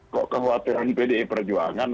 kekhawatiran pdi perjuangan